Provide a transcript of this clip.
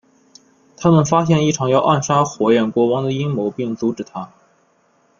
他们发现一场要暗杀火焰国王的阴谋并阻止它。